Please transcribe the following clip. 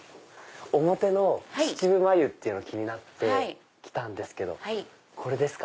表のちちぶまゆっていうの気になって来たんですけどこれですか？